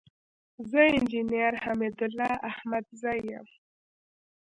زه انجينر حميدالله احمدزى يم.